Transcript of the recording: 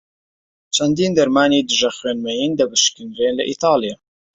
چەندین دەرمانی دژە خوێن مەین دەپشکنرێن لە ئیتاڵیا.